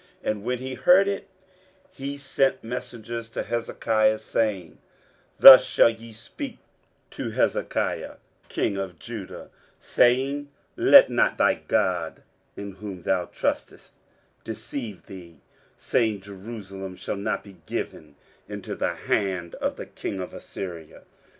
And when he heard it, he sent messengers to Hezekiah, saying, 23:037:010 Thus shall ye speak to Hezekiah king of Judah, saying, Let not thy God, in whom thou trustest, deceive thee, saying, Jerusalem shall not be given into the hand of the king of Assyria.